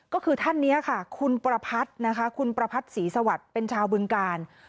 ก็คือท่านนี้ค่ะคุณประพัทธ์นะคะคุณประพัทธ์ศรีสวัสดิ์เป็นชาวบึงกาล